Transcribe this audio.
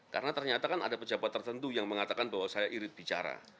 karena ternyata kan ada pejabat tertentu yang mengatakan bahwa saya irit bicara